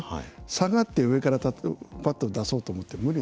下がって上からバットを出そうと思っても無理。